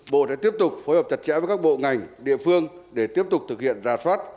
bộ đã tiếp tục phối hợp chặt chẽ với các bộ ngành địa phương để tiếp tục thực hiện ra soát